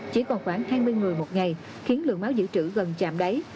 chỉ còn khoảng hai mươi người một ngày khiến lượng máu dự trữ gần chạm đáy